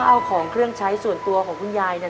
เอาของเครื่องใช้ส่วนตัวของคุณยายเนี่ย